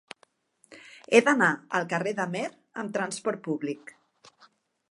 He d'anar al carrer d'Amer amb trasport públic.